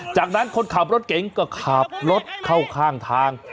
จากนั้นคนขับรถเก๋งก็ขับรถเข้าข้างทาง